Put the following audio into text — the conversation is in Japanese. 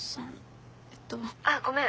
☎あっごめん。